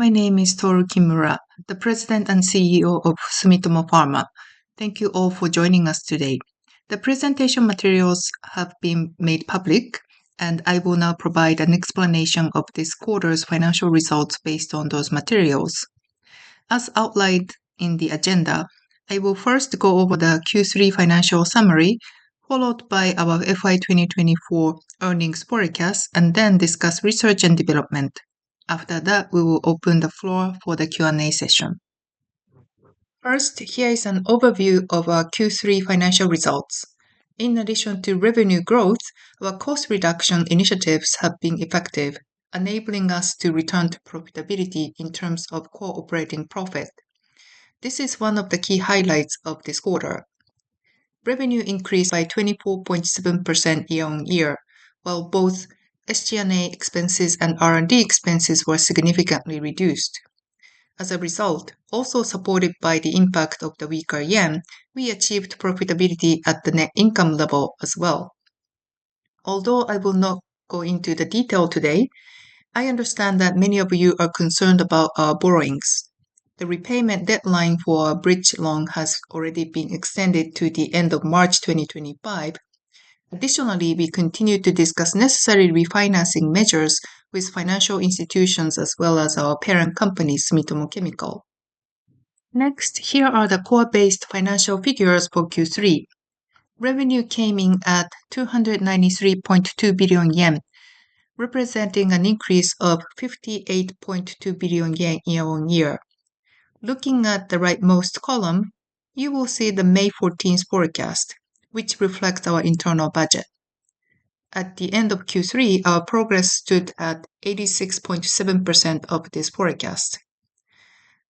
My name is Toru Kimura, the President and CEO of Sumitomo Pharma. Thank you all for joining us today. The presentation materials have been made public, and I will now provide an explanation of this quarter's financial results based on those materials. As outlined in the agenda, I will first go over the Q3 financial summary, followed by our FY 2024 earnings forecast, and then discuss research and development. After that, we will open the floor for the Q&A session. First, here is an overview of our Q3 financial results. In addition to revenue growth, our cost reduction initiatives have been effective, enabling us to return to profitability in terms of core operating profit. This is one of the key highlights of this quarter. Revenue increased by 24.7% year-on-year, while both SG&A expenses and R&D expenses were significantly reduced. As a result, also supported by the impact of the weaker yen, we achieved profitability at the net income level as well. Although I will not go into the detail today, I understand that many of you are concerned about our borrowings. The repayment deadline for our bridge loan has already been extended to the end of March 2025. Additionally, we continue to discuss necessary refinancing measures with financial institutions as well as our parent company, Sumitomo Chemical. Next, here are the core-based financial figures for Q3. Revenue came in at 293.2 billion yen, representing an increase of 58.2 billion yen year-on-year. Looking at the rightmost column, you will see the May 14 forecast, which reflects our internal budget. At the end of Q3, our progress stood at 86.7% of this forecast.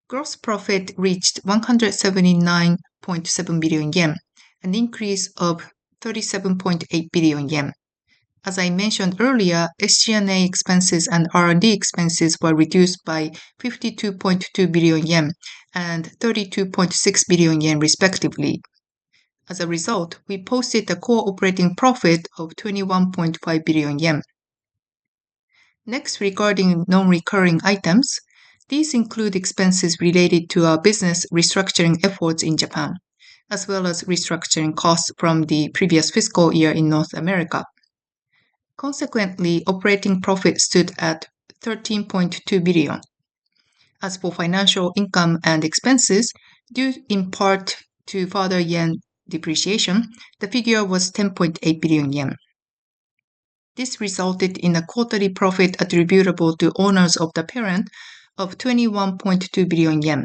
Gross profit reached 179.7 billion yen, an increase of 37.8 billion yen. As I mentioned earlier, SG&A expenses and R&D expenses were reduced by 52.2 billion yen and 32.6 billion yen, respectively. As a result, we posted a core operating profit of 21.5 billion yen. Next, regarding non-recurring items, these include expenses related to our business restructuring efforts in Japan, as well as restructuring costs from the previous fiscal year in North America. Consequently, operating profit stood at 13.2 billion. As for financial income and expenses, due in part to further yen depreciation, the figure was 10.8 billion yen. This resulted in a quarterly profit attributable to owners of the parent of 21.2 billion yen,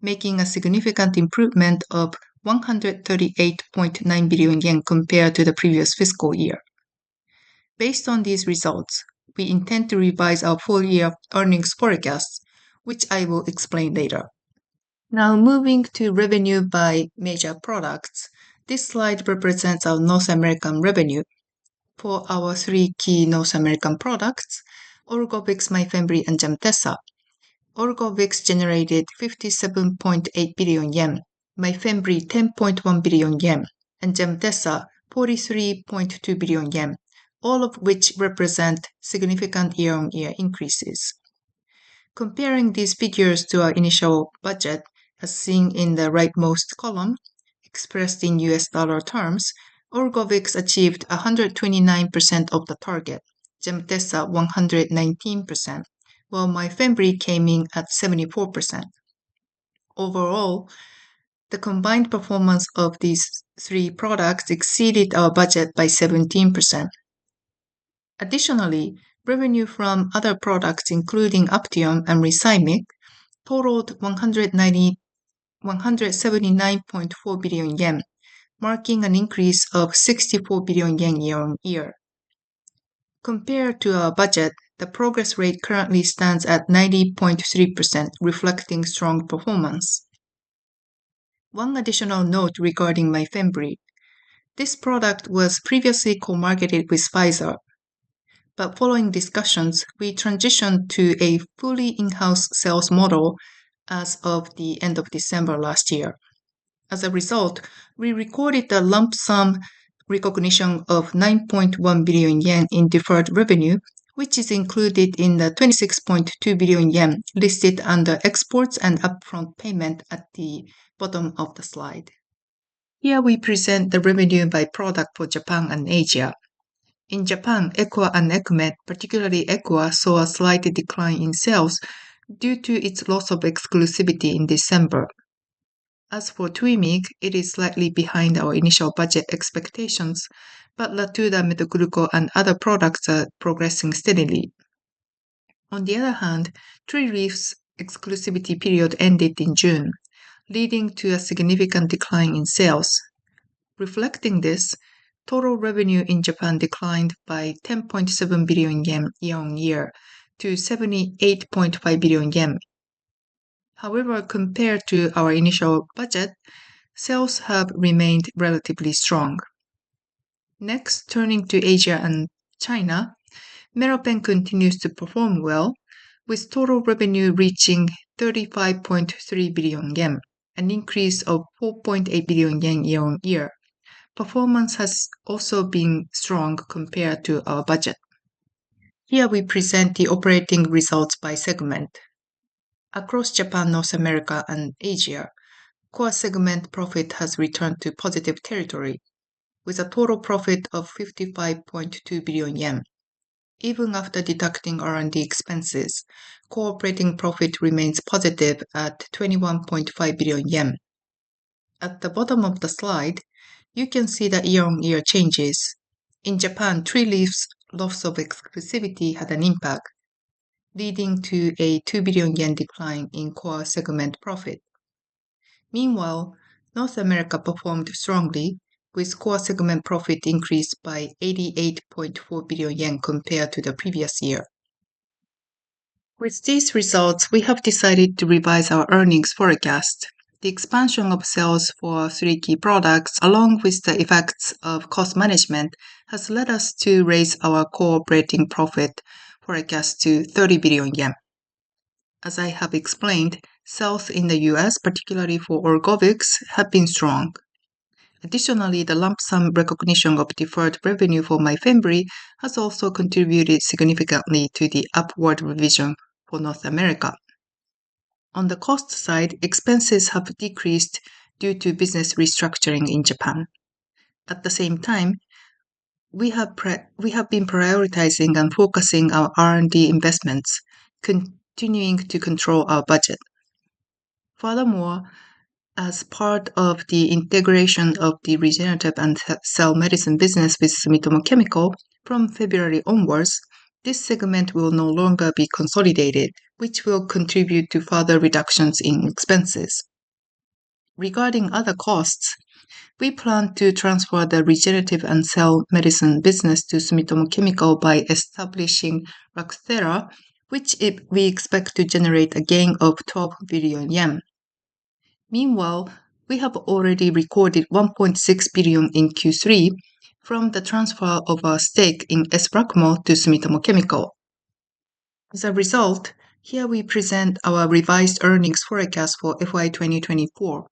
making a significant improvement of 138.9 billion yen compared to the previous fiscal year. Based on these results, we intend to revise our full-year earnings forecast, which I will explain later. Now, moving to revenue by major products, this slide represents our North American revenue. For our three key North American products, Orgovyx, Myfembree, and Gemtesa, Orgovyx generated 57.8 billion yen, Myfembree 10.1 billion yen, and Gemtesa 43.2 billion yen, all of which represent significant year-on-year increases. Comparing these figures to our initial budget, as seen in the rightmost column, expressed in U.S. dollar terms, Orgovyx achieved 129% of the target, Gemtesa 119%, while Myfembree came in at 74%. Overall, the combined performance of these three products exceeded our budget by 17%. Additionally, revenue from other products, including Aptiom and Rethymic, totaled 179.4 billion yen, marking an increase of 64 billion yen year-on-year. Compared to our budget, the progress rate currently stands at 90.3%, reflecting strong performance. One additional note regarding Myfembree: this product was previously co-marketed with Pfizer, but following discussions, we transitioned to a fully in-house sales model as of the end of December last year. As a result, we recorded the lump sum recognition of 9.1 billion yen in deferred revenue, which is included in the 26.2 billion yen listed under exports and upfront payment at the bottom of the slide. Here we present the revenue by product for Japan and Asia. In Japan, Equa and EquMet, particularly Equa, saw a slight decline in sales due to its loss of exclusivity in December. As for Twymeeg, it is slightly behind our initial budget expectations, but Latuda, Metgluco, and other products are progressing steadily. On the other hand, Trerief's exclusivity period ended in June, leading to a significant decline in sales. Reflecting this, total revenue in Japan declined by 10.7 billion yen year-on-year to 78.5 billion yen. However, compared to our initial budget, sales have remained relatively strong. Next, turning to Asia and China, Meropen continues to perform well, with total revenue reaching 35.3 billion yen, an increase of 4.8 billion yen year-on-year. Performance has also been strong compared to our budget. Here we present the operating results by segment. Across Japan, North America, and Asia, core segment profit has returned to positive territory, with a total profit of 55.2 billion yen. Even after deducting R&D expenses, core operating profit remains positive at 21.5 billion yen. At the bottom of the slide, you can see the year-on-year changes. In Japan, Trerief's loss of exclusivity had an impact, leading to a 2 billion yen decline in core segment profit. Meanwhile, North America performed strongly, with core segment profit increased by 88.4 billion yen compared to the previous year. With these results, we have decided to revise our earnings forecast. The expansion of sales for three key products, along with the effects of cost management, has led us to raise our core operating profit forecast to 30 billion yen. As I have explained, sales in the U.S., particularly for Orgovyx, have been strong. Additionally, the lump sum recognition of deferred revenue for Myfembree has also contributed significantly to the upward revision for North America. On the cost side, expenses have decreased due to business restructuring in Japan. At the same time, we have been prioritizing and focusing our R&D investments, continuing to control our budget. Furthermore, as part of the integration of the regenerative and cell medicine business with Sumitomo Chemical from February onwards, this segment will no longer be consolidated, which will contribute to further reductions in expenses. Regarding other costs, we plan to transfer the regenerative and cell medicine business to Sumitomo Chemical by establishing Rakucella, which we expect to generate a gain of 12 billion yen. Meanwhile, we have already recorded 1.6 billion in Q3 from the transfer of our stake in S-RACMO to Sumitomo Chemical. As a result, here we present our revised earnings forecast for FY 2024.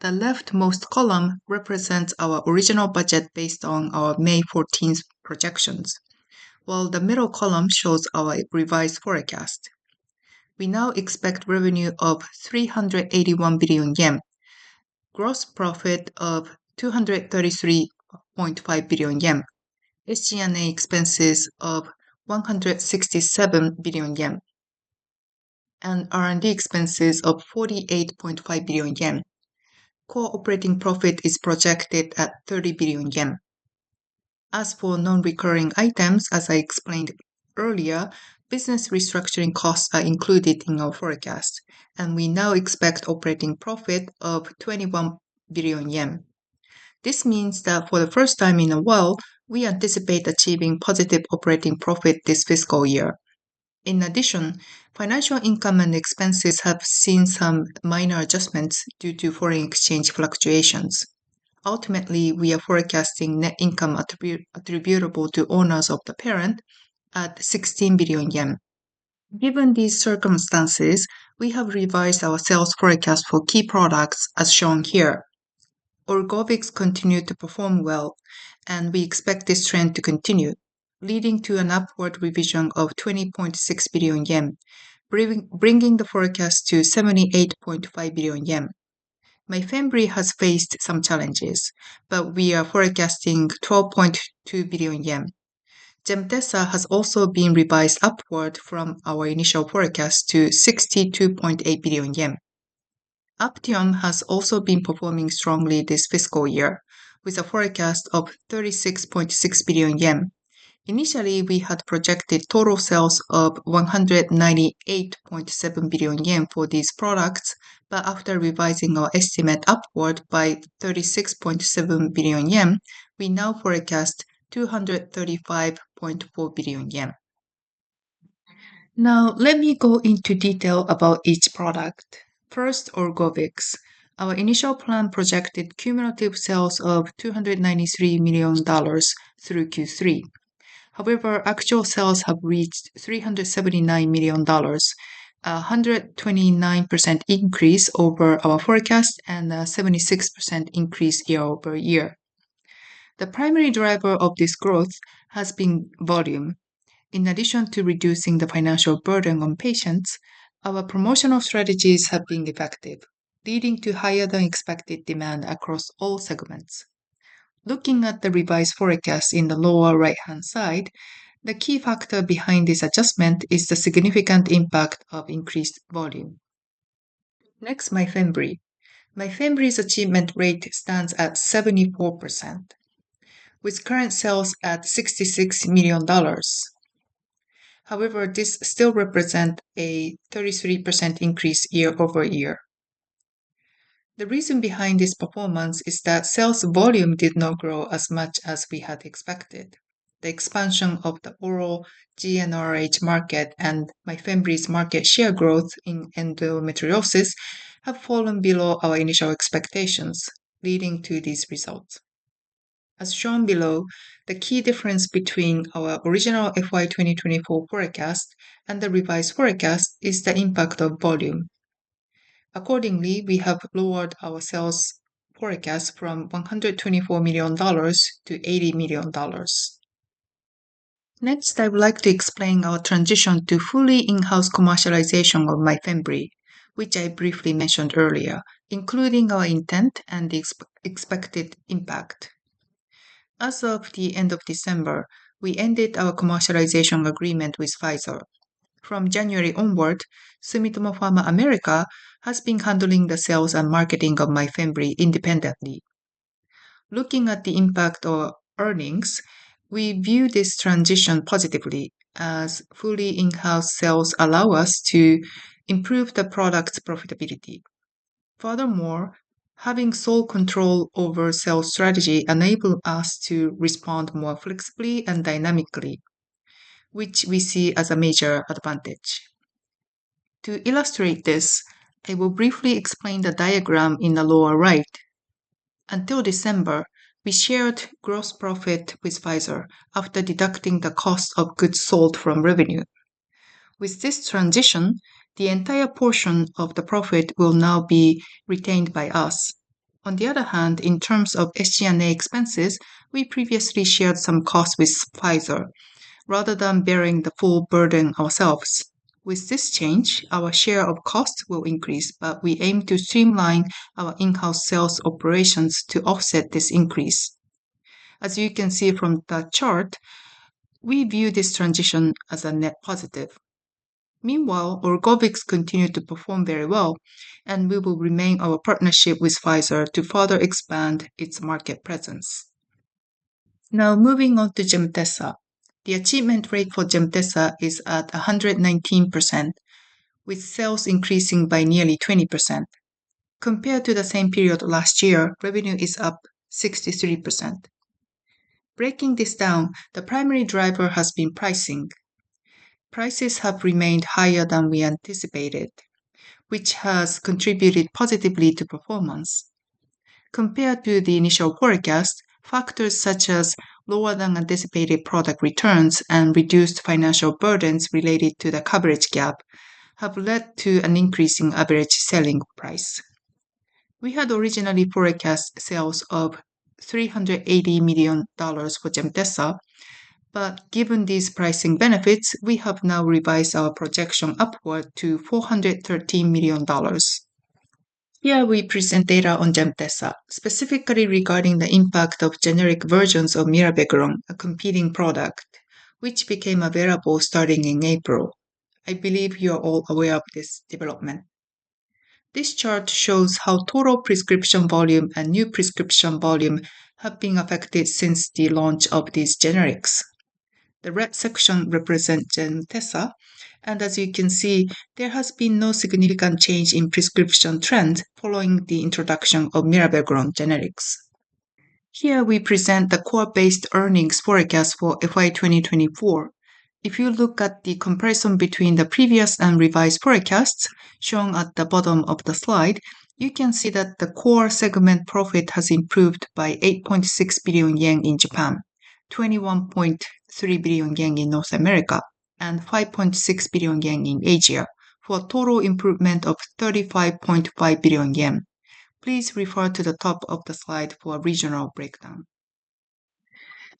The leftmost column represents our original budget based on our May 14 projections, while the middle column shows our revised forecast. We now expect revenue of 381 billion yen, gross profit of 233.5 billion yen, SG&A expenses of 167 billion yen, and R&D expenses of 48.5 billion yen. Core operating profit is projected at 30 billion yen. As for non-recurring items, as I explained earlier, business restructuring costs are included in our forecast, and we now expect operating profit of 21 billion yen. This means that for the first time in a while, we anticipate achieving positive operating profit this fiscal year. In addition, financial income and expenses have seen some minor adjustments due to foreign exchange fluctuations. Ultimately, we are forecasting net income attributable to owners of the parent at 16 billion yen. Given these circumstances, we have revised our sales forecast for key products as shown here. Orgovyx continued to perform well, and we expect this trend to continue, leading to an upward revision of 20.6 billion yen, bringing the forecast to 78.5 billion yen. Myfembree has faced some challenges, but we are forecasting 12.2 billion yen. Gemtesa has also been revised upward from our initial forecast to 62.8 billion yen. Aptiom has also been performing strongly this fiscal year, with a forecast of 36.6 billion yen. Initially, we had projected total sales of 198.7 billion yen for these products, but after revising our estimate upward by 36.7 billion yen, we now forecast 235.4 billion yen. Now, let me go into detail about each product. First, Orgovyx. Our initial plan projected cumulative sales of $293 million through Q3. However, actual sales have reached $379 million, a 129% increase over our forecast and a 76% increase year-over-year. The primary driver of this growth has been volume. In addition to reducing the financial burden on patients, our promotional strategies have been effective, leading to higher-than-expected demand across all segments. Looking at the revised forecast in the lower right-hand side, the key factor behind this adjustment is the significant impact of increased volume. Next, Myfembree. Myfembree's achievement rate stands at 74%, with current sales at $66 million. However, this still represents a 33% increase year-over-year. The reason behind this performance is that sales volume did not grow as much as we had expected. The expansion of the oral GnRH market and Myfembree's market share growth in endometriosis have fallen below our initial expectations, leading to these results. As shown below, the key difference between our original FY 2024 forecast and the revised forecast is the impact of volume. Accordingly, we have lowered our sales forecast from $124 million to $80 million. Next, I would like to explain our transition to fully in-house commercialization of Myfembree, which I briefly mentioned earlier, including our intent and the expected impact. As of the end of December, we ended our commercialization agreement with Pfizer. From January onward, Sumitomo Pharma America has been handling the sales and marketing of Myfembree independently. Looking at the impact of earnings, we view this transition positively, as fully in-house sales allow us to improve the product's profitability. Furthermore, having sole control over sales strategy enables us to respond more flexibly and dynamically, which we see as a major advantage. To illustrate this, I will briefly explain the diagram in the lower right. Until December, we shared gross profit with Pfizer after deducting the cost of goods sold from revenue. With this transition, the entire portion of the profit will now be retained by us. On the other hand, in terms of SG&A expenses, we previously shared some costs with Pfizer, rather than bearing the full burden ourselves. With this change, our share of costs will increase, but we aim to streamline our in-house sales operations to offset this increase. As you can see from the chart, we view this transition as a net positive. Meanwhile, Orgovyx continued to perform very well, and we will renew our partnership with Pfizer to further expand its market presence. Now, moving on to Gemtesa. The achievement rate for Gemtesa is at 119%, with sales increasing by nearly 20%. Compared to the same period last year, revenue is up 63%. Breaking this down, the primary driver has been pricing. Prices have remained higher than we anticipated, which has contributed positively to performance. Compared to the initial forecast, factors such as lower-than-anticipated product returns and reduced financial burdens related to the coverage gap have led to an increase in average selling price. We had originally forecast sales of $380 million for Gemtesa, but given these pricing benefits, we have now revised our projection upward to $413 million. Here we present data on Gemtesa, specifically regarding the impact of generic versions of mirabegron, a competing product, which became available starting in April. I believe you are all aware of this development. This chart shows how total prescription volume and new prescription volume have been affected since the launch of these generics. The red section represents Gemtesa, and as you can see, there has been no significant change in prescription trends following the introduction of mirabegron generics. Here we present the core-based earnings forecast for FY 2024. If you look at the comparison between the previous and revised forecasts shown at the bottom of the slide, you can see that the core segment profit has improved by 8.6 billion yen in Japan, 21.3 billion yen in North America, and 5.6 billion yen in Asia, for a total improvement of 35.5 billion yen. Please refer to the top of the slide for a regional breakdown.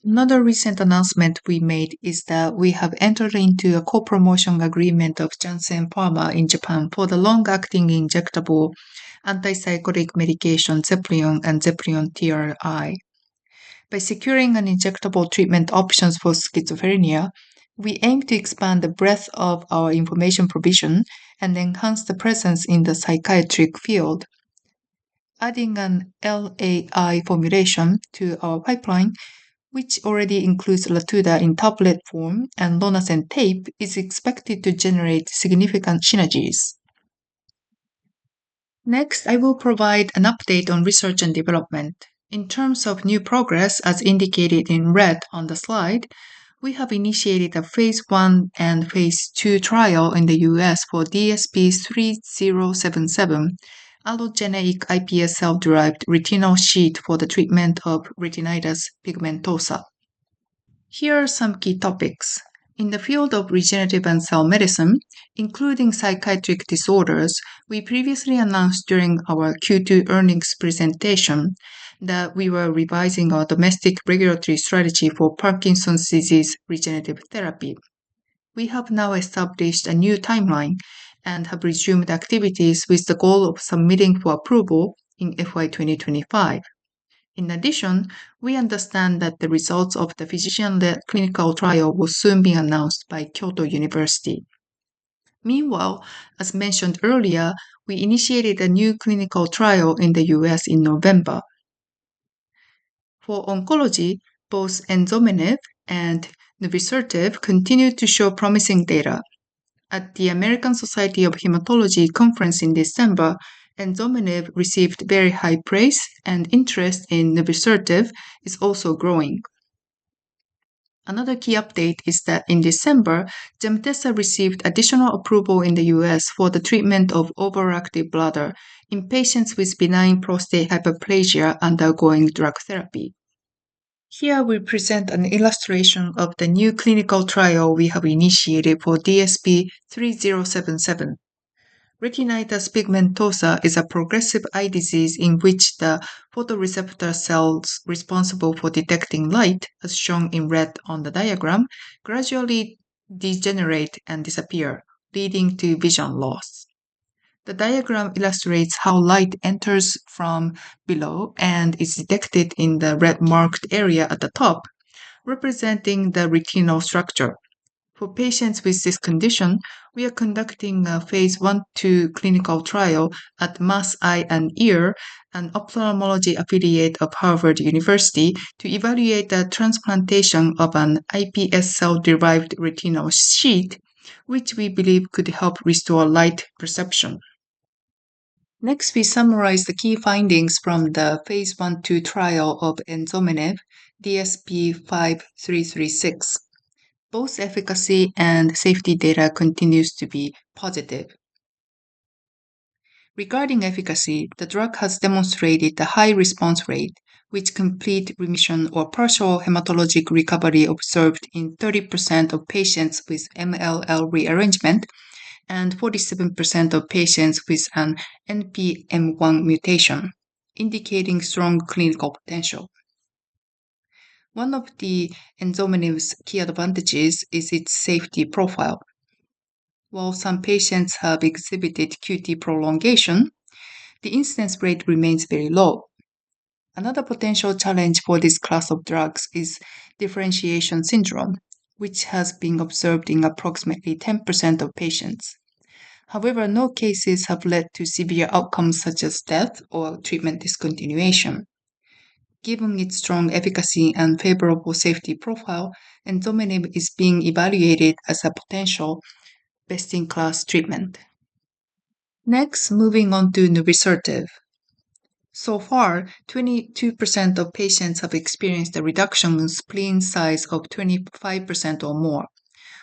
Another recent announcement we made is that we have entered into a co-promotion agreement with Janssen Pharma in Japan for the long-acting injectable antipsychotic medication Xeplion and Xeplion TRI. By securing an injectable treatment option for schizophrenia, we aim to expand the breadth of our information provision and enhance the presence in the psychiatric field. Adding an LAI formulation to our pipeline, which already includes Latuda in tablet form and Lonasen Tape, is expected to generate significant synergies. Next, I will provide an update on research and development. In terms of new progress, as indicated in red on the slide, we have initiated a phase one and phase two trial in the U.S. for DSP-3077, allogeneic iPS cell-derived retinal sheet for the treatment of retinitis pigmentosa. Here are some key topics. In the field of regenerative and cell medicine, including psychiatric disorders, we previously announced during our Q2 earnings presentation that we were revising our domestic regulatory strategy for Parkinson's disease regenerative therapy. We have now established a new timeline and have resumed activities with the goal of submitting for approval in FY 2025. In addition, we understand that the results of the physician-led clinical trial will soon be announced by Kyoto University. Meanwhile, as mentioned earlier, we initiated a new clinical trial in the U.S. in November. For oncology, both enzomenib and emavusertib continue to show promising data. At the American Society of Hematology conference in December, enzomenib received very high praise, and interest in emavusertib is also growing. Another key update is that in December, Gemtesa received additional approval in the U.S. for the treatment of overactive bladder in patients with benign prostatic hyperplasia undergoing drug therapy. Here we present an illustration of the new clinical trial we have initiated for DSP-3077. Retinitis pigmentosa is a progressive eye disease in which the photoreceptor cells responsible for detecting light, as shown in red on the diagram, gradually degenerate and disappear, leading to vision loss. The diagram illustrates how light enters from below and is detected in the red-marked area at the top, representing the retinal structure. For patients with this condition, we are conducting a phase 1/2 clinical trial at Massachusetts Eye and Ear, an ophthalmology affiliate of Harvard University, to evaluate the transplantation of an iPS cell-derived retinal sheet, which we believe could help restore light perception. Next, we summarize the key findings from the phase 1/2 trial of enzomenib, DSP-5336. Both efficacy and safety data continue to be positive. Regarding efficacy, the drug has demonstrated a high response rate, with complete remission or partial hematologic recovery observed in 30% of patients with MLL rearrangement and 47% of patients with an NPM1 mutation, indicating strong clinical potential. One of the DSP-5336's key advantages is its safety profile. While some patients have exhibited QT prolongation, the incidence rate remains very low. Another potential challenge for this class of drugs is differentiation syndrome, which has been observed in approximately 10% of patients. However, no cases have led to severe outcomes such as death or treatment discontinuation. Given its strong efficacy and favorable safety profile, DSP-5336 is being evaluated as a potential best-in-class treatment. Next, moving on to TP-3654. So far, 22% of patients have experienced a reduction in spleen size of 25% or more,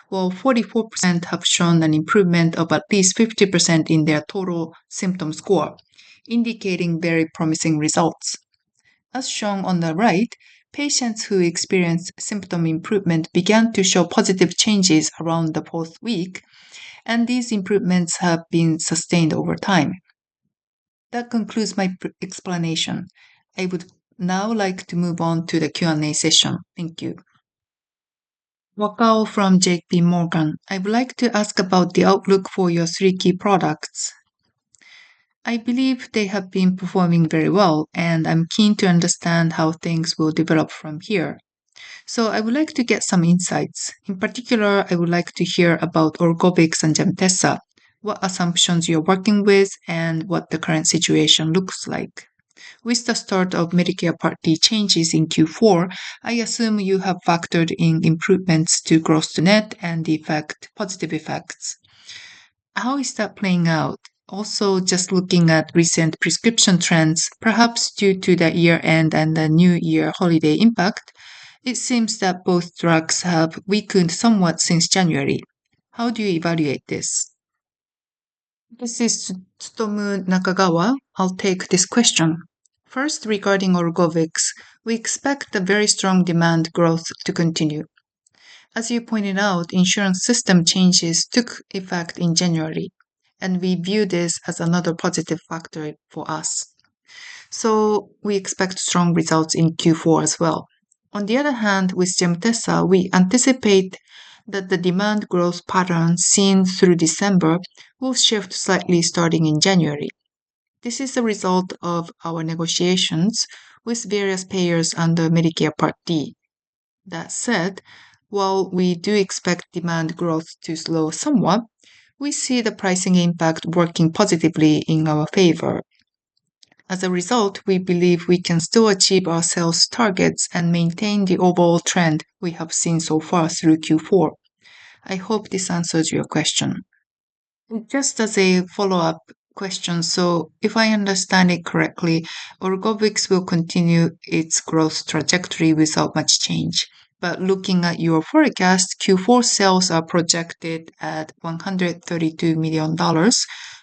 while 44% have shown an improvement of at least 50% in their total symptom score, indicating very promising results. As shown on the right, patients who experienced symptom improvement began to show positive changes around the fourth week, and these improvements have been sustained over time. That concludes my explanation. I would now like to move on to the Q&A session. Thank you. Wakao from J.P. Morgan. I would like to ask about the outlook for your three key products. I believe they have been performing very well, and I'm keen to understand how things will develop from here. So I would like to get some insights. In particular, I would like to hear about Orgovyx and Gemtesa, what assumptions you're working with, and what the current situation looks like. With the start of Medicare Part D changes in Q4, I assume you have factored in improvements to gross-to-net and the effect positive effects. How is that playing out? Also, just looking at recent prescription trends, perhaps due to the year-end and the new year holiday impact, it seems that both drugs have weakened somewhat since January. How do you evaluate this? This is Tsutomu Nakagawa. I'll take this question. First, regarding Orgovyx, we expect the very strong demand growth to continue. As you pointed out, insurance system changes took effect in January, and we view this as another positive factor for us. So we expect strong results in Q4 as well. On the other hand, with Gemtesa, we anticipate that the demand growth pattern seen through December will shift slightly starting in January. This is the result of our negotiations with various payers under Medicare Part D. That said, while we do expect demand growth to slow somewhat, we see the pricing impact working positively in our favor. As a result, we believe we can still achieve our sales targets and maintain the overall trend we have seen so far through Q4. I hope this answers your question. Just as a follow-up question, so if I understand it correctly, Orgovyx will continue its growth trajectory without much change. Looking at your forecast, Q4 sales are projected at $132 million,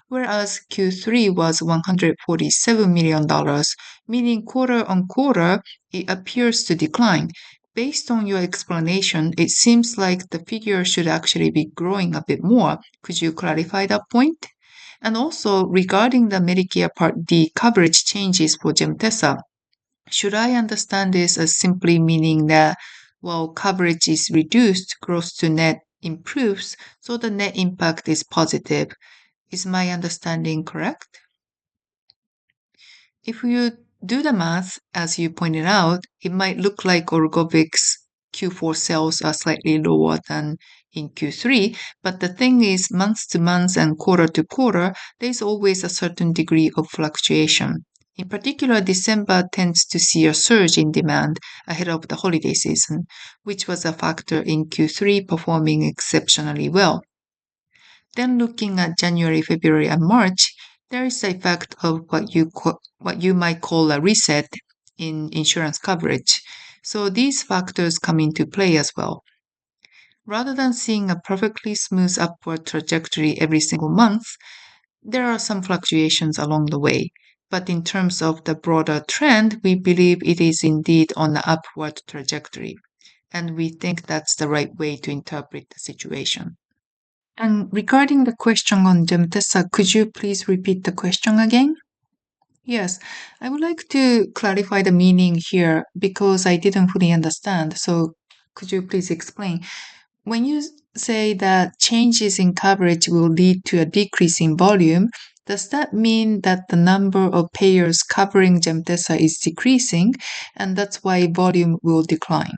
whereas Q3 was $147 million, meaning quarter-on-quarter, it appears to decline. Based on your explanation, it seems like the figure should actually be growing a bit more. Could you clarify that point? And also, regarding the Medicare Part D coverage changes for Gemtesa, should I understand this as simply meaning that while coverage is reduced, gross-to-net improves, so the net impact is positive? Is my understanding correct? If you do the math, as you pointed out, it might look like Orgovyx's Q4 sales are slightly lower than in Q3, but the thing is, month to month and quarter-to-quarter, there's always a certain degree of fluctuation. In particular, December tends to see a surge in demand ahead of the holiday season, which was a factor in Q3 performing exceptionally well. Then looking at January, February, and March, there is the effect of what you might call a reset in insurance coverage. So these factors come into play as well. Rather than seeing a perfectly smooth upward trajectory every single month, there are some fluctuations along the way. But in terms of the broader trend, we believe it is indeed on the upward trajectory, and we think that's the right way to interpret the situation. Regarding the question on Gemtesa, could you please repeat the question again? Yes. I would like to clarify the meaning here because I didn't fully understand. So could you please explain? When you say that changes in coverage will lead to a decrease in volume, does that mean that the number of payers covering Gemtesa is decreasing, and that's why volume will decline?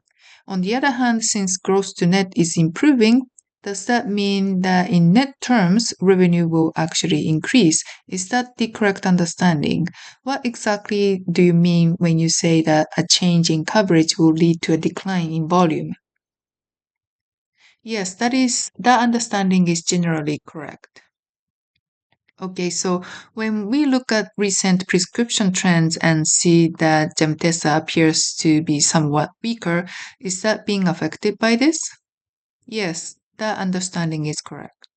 On the other hand, since gross-to-net is improving, does that mean that in net terms, revenue will actually increase? Is that the correct understanding? What exactly do you mean when you say that a change in coverage will lead to a decline in volume? Yes, that understanding is generally correct. Okay, so when we look at recent prescription trends and see that Gemtesa appears to be somewhat weaker, is that being affected by this? Yes, that understanding is correct.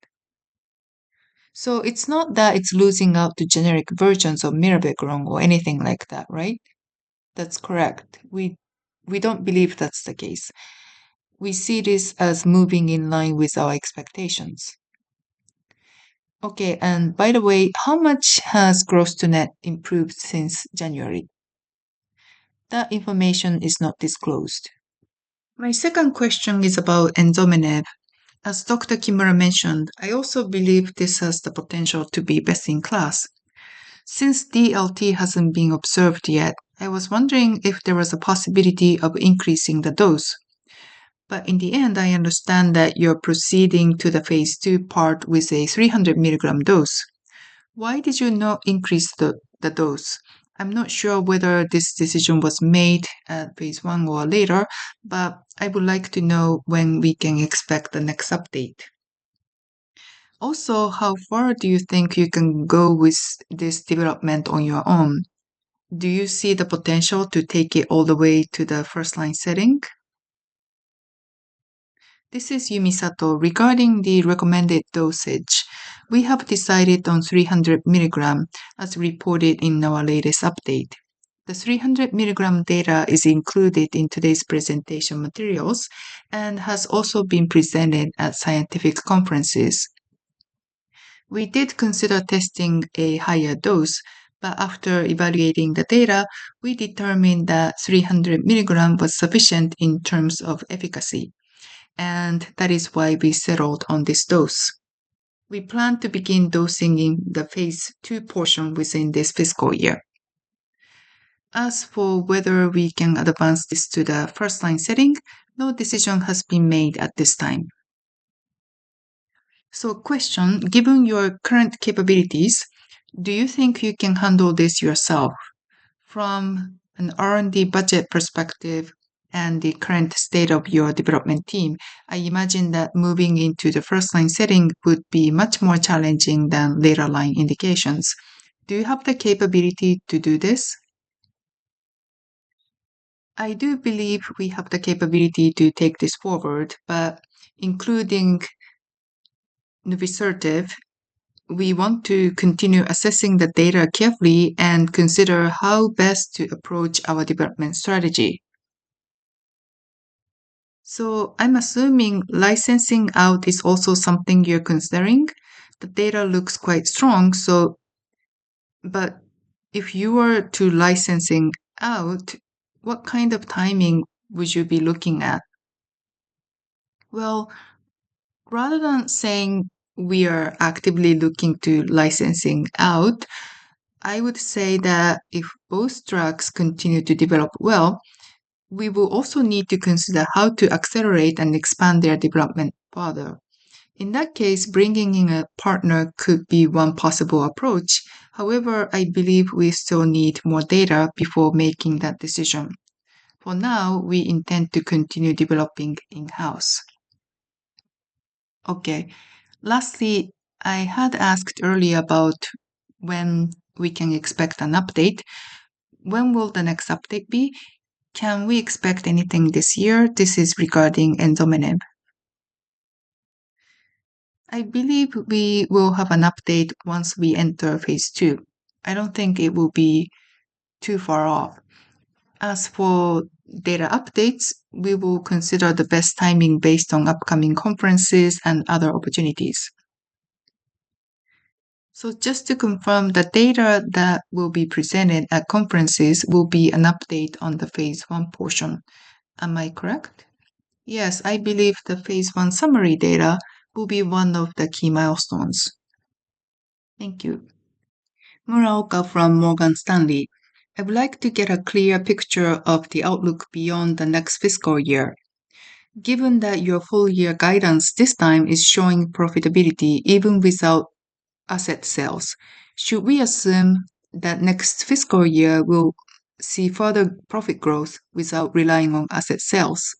So it's not that it's losing out to generic versions of mirabegron or anything like that, right? That's correct. We don't believe that's the case. We see this as moving in line with our expectations. Okay, and by the way, how much has gross-to-net improved since January? That information is not disclosed. My second question is about enzomenib. As Dr. Kimura mentioned, I also believe this has the potential to be best in class. Since DLT hasn't been observed yet, I was wondering if there was a possibility of increasing the dose. But in the end, I understand that you're proceeding to the phase two part with a 300 milligram dose. Why did you not increase the dose? I'm not sure whether this decision was made at phase one or later, but I would like to know when we can expect the next update. Also, how far do you think you can go with this development on your own? Do you see the potential to take it all the way to the first-line setting? This is Yumi Sato. Regarding the recommended dosage, we have decided on 300 milligram as reported in our latest update. The 300 milligram data is included in today's presentation materials and has also been presented at scientific conferences. We did consider testing a higher dose, but after evaluating the data, we determined that 300 milligram was sufficient in terms of efficacy, and that is why we settled on this dose. We plan to begin dosing in the phase two portion within this fiscal year. As for whether we can advance this to the first-line setting, no decision has been made at this time. So question, given your current capabilities, do you think you can handle this yourself? From an R&D budget perspective and the current state of your development team, I imagine that moving into the first-line setting would be much more challenging than later-line indications. Do you have the capability to do this? I do believe we have the capability to take this forward, but including TP-3654, we want to continue assessing the data carefully and consider how best to approach our development strategy. So I'm assuming licensing out is also something you're considering? The data looks quite strong, but if you were to license out, what kind of timing would you be looking at? Well, rather than saying we are actively looking to license out, I would say that if both drugs continue to develop well, we will also need to consider how to accelerate and expand their development further. In that case, bringing in a partner could be one possible approach. However, I believe we still need more data before making that decision. For now, we intend to continue developing in-house. Okay. Lastly, I had asked earlier about when we can expect an update. When will the next update be? Can we expect anything this year? This is regarding enzomenib. I believe we will have an update once we enter phase two. I don't think it will be too far off. As for data updates, we will consider the best timing based on upcoming conferences and other opportunities. So just to confirm, the data that will be presented at conferences will be an update on the phase one portion. Am I correct? Yes, I believe the phase one summary data will be one of the key milestones. Thank you. Muraoka from Morgan Stanley. I would like to get a clear picture of the outlook beyond the next fiscal year. Given that your full-year guidance this time is showing profitability even without asset sales, should we assume that next fiscal year will see further profit growth without relying on asset sales?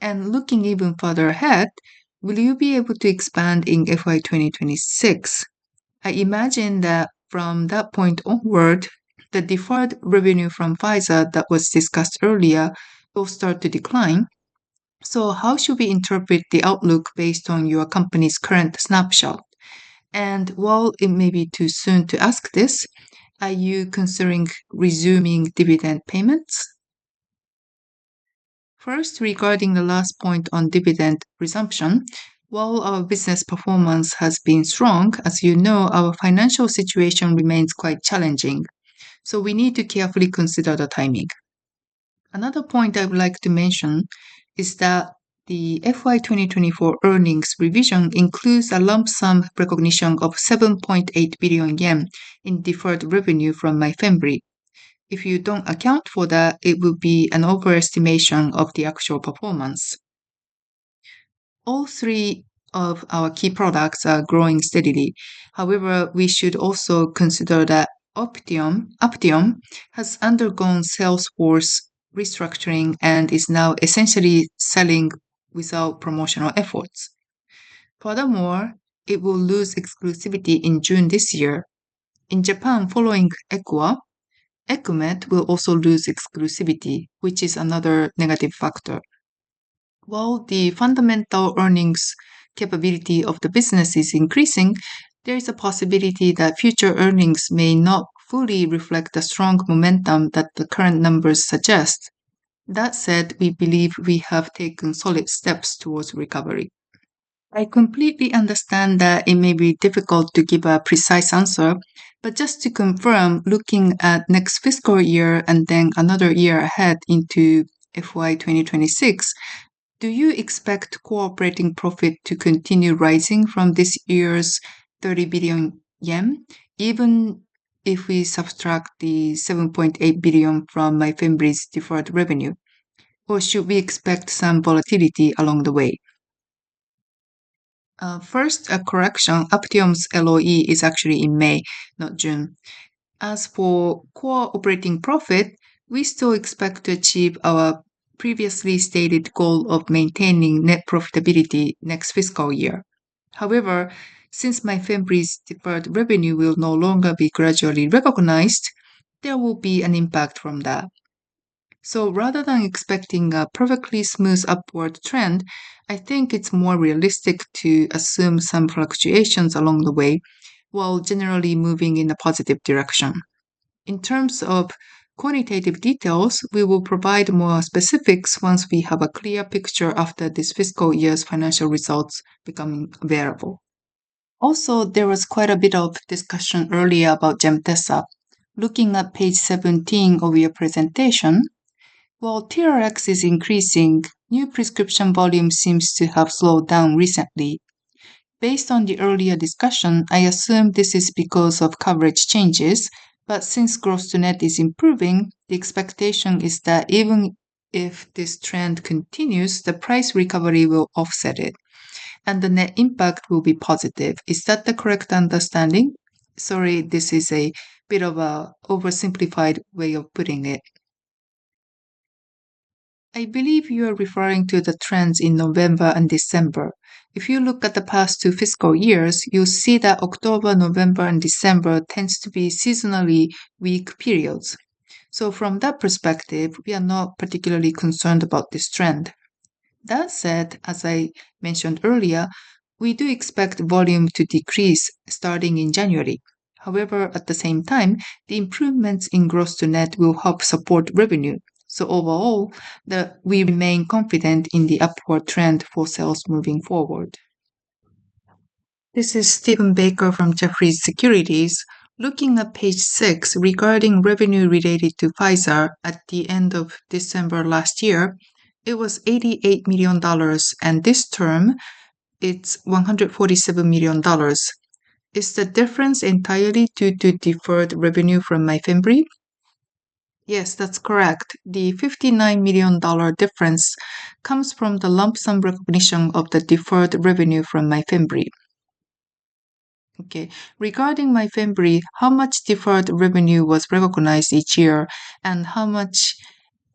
And looking even further ahead, will you be able to expand in FY 2026? I imagine that from that point onward, the deferred revenue from Pfizer that was discussed earlier will start to decline. So how should we interpret the outlook based on your company's current snapshot? And while it may be too soon to ask this, are you considering resuming dividend payments? First, regarding the last point on dividend resumption, while our business performance has been strong, as you know, our financial situation remains quite challenging. So we need to carefully consider the timing. Another point I would like to mention is that the FY 2024 earnings revision includes a lump sum recognition of 7.8 billion yen in deferred revenue from Myfembree. If you don't account for that, it would be an overestimation of the actual performance. All three of our key products are growing steadily. However, we should also consider that Aptiom has undergone sales force restructuring and is now essentially selling without promotional efforts. Furthermore, it will lose exclusivity in June this year. In Japan, following Equa, EquMet will also lose exclusivity, which is another negative factor. While the fundamental earnings capability of the business is increasing, there is a possibility that future earnings may not fully reflect the strong momentum that the current numbers suggest. That said, we believe we have taken solid steps towards recovery. I completely understand that it may be difficult to give a precise answer, but just to confirm, looking at next fiscal year and then another year ahead into FY 2026, do you expect core operating profit to continue rising from this year's 30 billion yen, even if we subtract the 7.8 billion from Myfembree's deferred revenue? Or should we expect some volatility along the way? First, a correction. Aptiom's LOE is actually in May, not June. As for core operating profit, we still expect to achieve our previously stated goal of maintaining net profitability next fiscal year. However, since Myfembree's deferred revenue will no longer be gradually recognized, there will be an impact from that. So rather than expecting a perfectly smooth upward trend, I think it's more realistic to assume some fluctuations along the way while generally moving in a positive direction. In terms of quantitative details, we will provide more specifics once we have a clear picture after this fiscal year's financial results become available. Also, there was quite a bit of discussion earlier about Gemtesa. Looking at page 17 of your presentation, while TRX is increasing, new prescription volume seems to have slowed down recently. Based on the earlier discussion, I assume this is because of coverage changes, but since gross-to-net is improving, the expectation is that even if this trend continues, the price recovery will offset it, and the net impact will be positive. Is that the correct understanding? Sorry, this is a bit of an oversimplified way of putting it. I believe you are referring to the trends in November and December. If you look at the past two fiscal years, you'll see that October, November, and December tend to be seasonally weak periods. From that perspective, we are not particularly concerned about this trend. That said, as I mentioned earlier, we do expect volume to decrease starting in January. However, at the same time, the improvements in gross-to-net will help support revenue. Overall, we remain confident in the upward trend for sales moving forward. This is Stephen Barker from Jefferies. Looking at page six regarding revenue related to Pfizer at the end of December last year, it was $88 million, and this term it's $147 million. Is the difference entirely due to deferred revenue from Myfembree? Yes, that's correct. The $59 million difference comes from the lump sum recognition of the deferred revenue from Myfembree. Okay. Regarding Myfembree, how much deferred revenue was recognized each year, and how much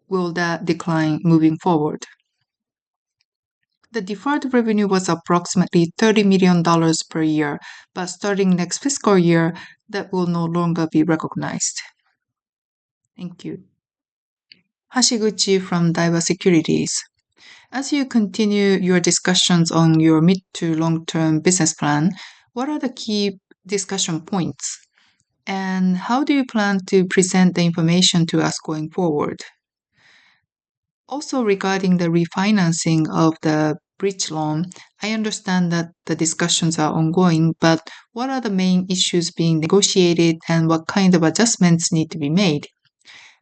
will that decline moving forward? The deferred revenue was approximately $30 million per year, but starting next fiscal year, that will no longer be recognized. Thank you. Hashiguchi from Daiwa Securities. As you continue your discussions on your mid to long-term business plan, what are the key discussion points, and how do you plan to present the information to us going forward? Also, regarding the refinancing of the bridge loan, I understand that the discussions are ongoing, but what are the main issues being negotiated, and what kind of adjustments need to be made?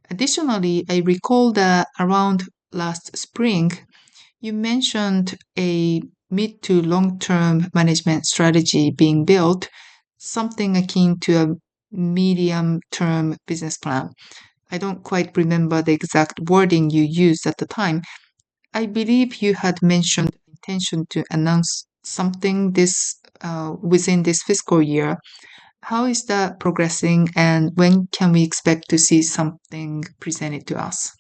Additionally, I recall that around last spring, you mentioned a mid to long-term management strategy being built, something akin to a medium-term business plan. I don't quite remember the exact wording you used at the time. I believe you had mentioned intention to announce something within this fiscal year. How is that progressing, and when can we expect to see something presented to us?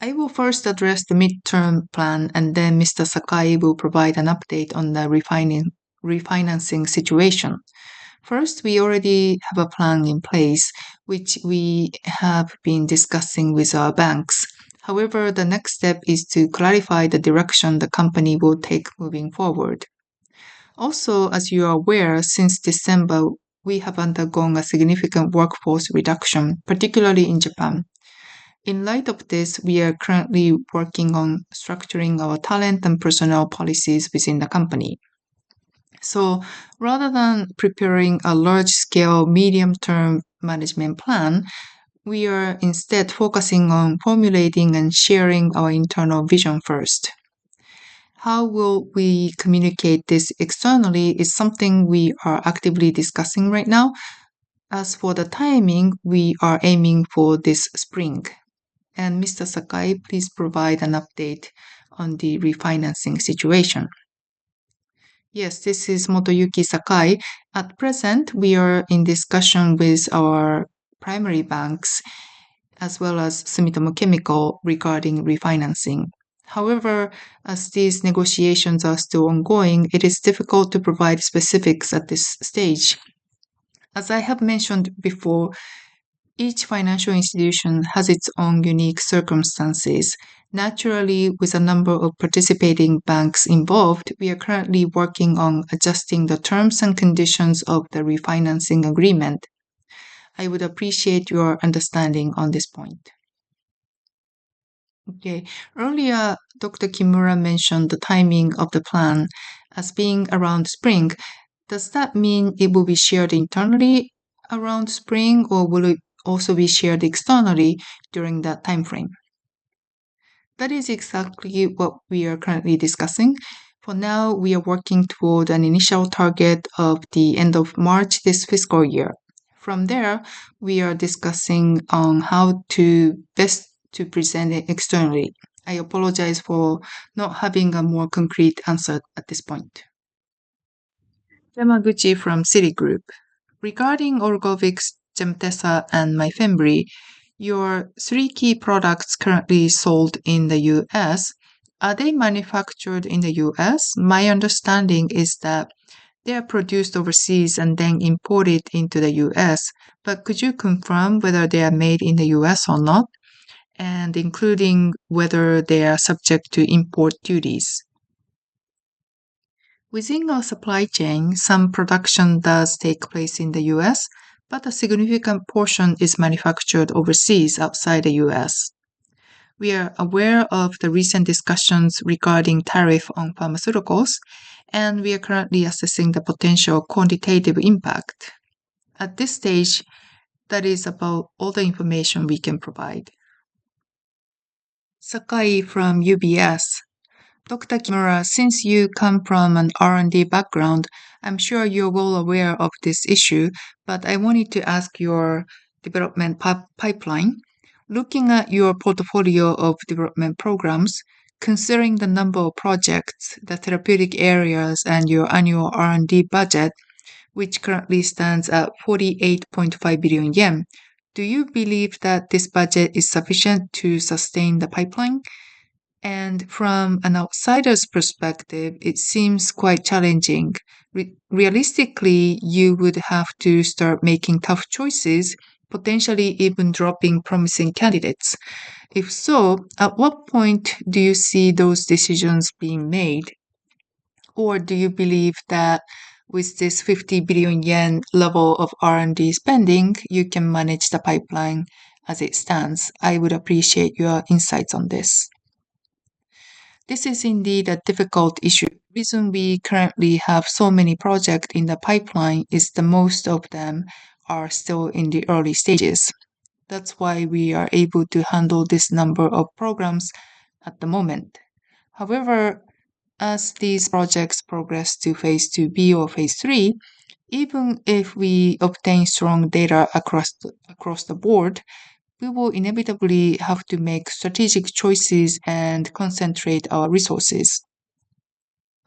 I will first address the midterm plan, and then Mr. Sakai will provide an update on the refinancing situation. First, we already have a plan in place, which we have been discussing with our banks. However, the next step is to clarify the direction the company will take moving forward. Also, as you are aware, since December, we have undergone a significant workforce reduction, particularly in Japan. In light of this, we are currently working on structuring our talent and personnel policies within the company. So rather than preparing a large-scale medium-term management plan, we are instead focusing on formulating and sharing our internal vision first. How will we communicate this externally is something we are actively discussing right now. As for the timing, we are aiming for this spring. And Mr. Sakai, please provide an update on the refinancing situation. Yes, this is Motoyuki Sakai. At present, we are in discussion with our primary banks as well as Sumitomo Chemical regarding refinancing. However, as these negotiations are still ongoing, it is difficult to provide specifics at this stage. As I have mentioned before, each financial institution has its own unique circumstances. Naturally, with a number of participating banks involved, we are currently working on adjusting the terms and conditions of the refinancing agreement. I would appreciate your understanding on this point. Okay. Earlier, Dr. Kimura mentioned the timing of the plan as being around spring. Does that mean it will be shared internally around spring, or will it also be shared externally during that timeframe? That is exactly what we are currently discussing. For now, we are working toward an initial target of the end of March this fiscal year. From there, we are discussing how best to present it externally. I apologize for not having a more concrete answer at this point. Yamaguchi from Citigroup. Regarding Orgovyx, Gemtesa, and Myfembree, your three key products currently sold in the U.S., are they manufactured in the U.S.? My understanding is that they are produced overseas and then imported into the U.S., but could you confirm whether they are made in the U.S. or not, and including whether they are subject to import duties? Within our supply chain, some production does take place in the U.S., but a significant portion is manufactured overseas outside the U.S. We are aware of the recent discussions regarding tariffs on pharmaceuticals, and we are currently assessing the potential quantitative impact. At this stage, that is about all the information we can provide. Seki from UBS. Dr. Kimura, since you come from an R&D background, I'm sure you're well aware of this issue, but I wanted to ask about your development pipeline. Looking at your portfolio of development programs, considering the number of projects, the therapeutic areas, and your annual R&D budget, which currently stands at 48.5 billion yen, do you believe that this budget is sufficient to sustain the pipeline? From an outsider's perspective, it seems quite challenging. Realistically, you would have to start making tough choices, potentially even dropping promising candidates. If so, at what point do you see those decisions being made? Or do you believe that with this 50 billion yen level of R&D spending, you can manage the pipeline as it stands? I would appreciate your insights on this. This is indeed a difficult issue. The reason we currently have so many projects in the pipeline is that most of them are still in the early stages. That's why we are able to handle this number of programs at the moment. However, as these projects progress to phase 2B or phase 3, even if we obtain strong data across the board, we will inevitably have to make strategic choices and concentrate our resources.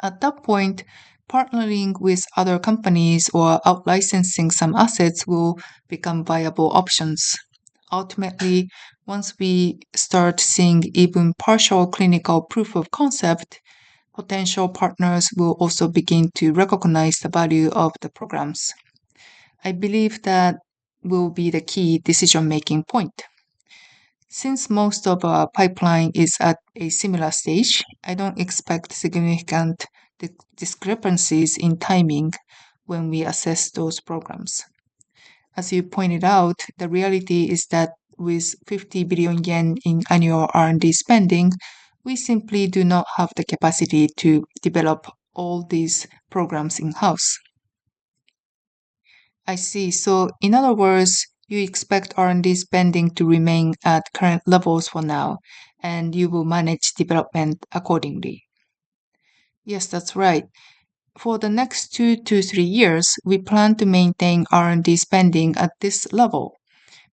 At that point, partnering with other companies or outlicensing some assets will become viable options. Ultimately, once we start seeing even partial clinical proof of concept, potential partners will also begin to recognize the value of the programs. I believe that will be the key decision-making point. Since most of our pipeline is at a similar stage, I don't expect significant discrepancies in timing when we assess those programs. As you pointed out, the reality is that with 50 billion yen in annual R&D spending, we simply do not have the capacity to develop all these programs in-house. I see. So in other words, you expect R&D spending to remain at current levels for now, and you will manage development accordingly. Yes, that's right. For the next two to three years, we plan to maintain R&D spending at this level.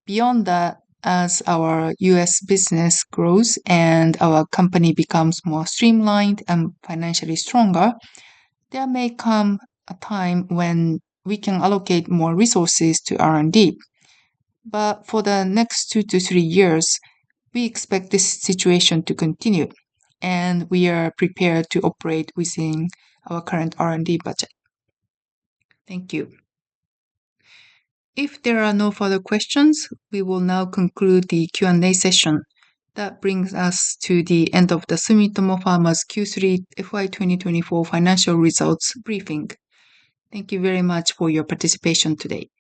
Beyond that, as our U.S. business grows and our company becomes more streamlined and financially stronger, there may come a time when we can allocate more resources to R&D. But for the next two to three years, we expect this situation to continue, and we are prepared to operate within our current R&D budget. Thank you. If there are no further questions, we will now conclude the Q&A session. That brings us to the end of the Sumitomo Pharma's Q3 FY 2024 financial results briefing. Thank you very much for your participation today.